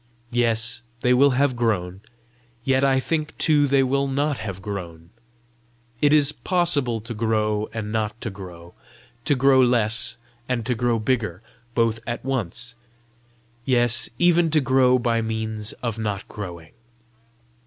"Yes, they will have grown; yet I think too they will not have grown. It is possible to grow and not to grow, to grow less and to grow bigger, both at once yes, even to grow by means of not growing!"